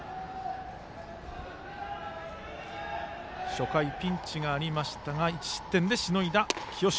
初回ピンチがありましたが１失点でしのいだ清重。